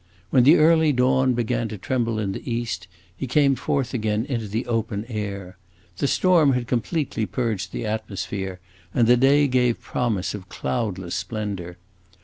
When the early dawn began to tremble in the east, he came forth again into the open air. The storm had completely purged the atmosphere, and the day gave promise of cloudless splendor.